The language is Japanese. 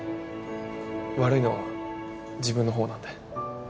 悪いのは自分の方なんで。